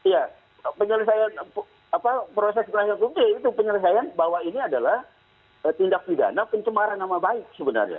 ya penyelesaian proses penyelesaian hukum itu penyelesaian bahwa ini adalah tindak pidana pencemaran nama baik sebenarnya